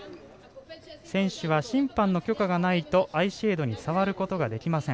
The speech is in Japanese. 選手は審判の許可がないとアイシェードに触ることができません。